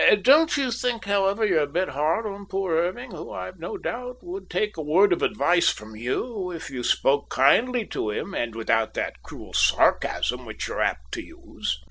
Don't you think, however, you're a bit hard on poor Irving, who, I've no doubt, would take a word of advice from you if you spoke kindly to him and without that cruel sarcasm which you're apt to use?"